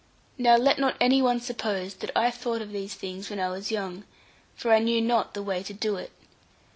Now let not any one suppose that I thought of these things when I was young, for I knew not the way to do it.